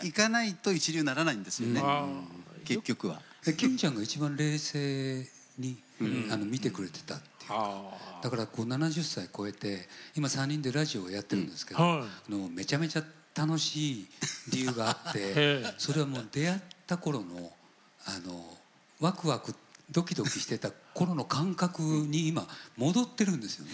キンちゃんが一番冷静に見てくれてたっていうかだから７０歳越えて今３人でラジオをやっているんですけどめちゃめちゃ楽しい理由があってそれはもう出会った頃のワクワクドキドキしてた頃の感覚に今戻ってるんですよね。